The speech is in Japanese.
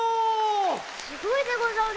・すごいでござる！